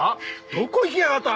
どこ行きやがった！？